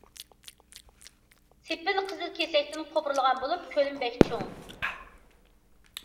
سېپىل قىزىل كېسەكتىن قوپۇرۇلغان بولۇپ، كۆلىمى بەك چوڭ.